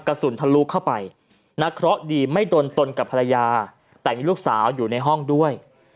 กระสุนทะลุเข้าไปนักเคราะห์ดีไม่โดนตนกับภรรยาแต่มีลูกสาวอยู่ในห้องด้วย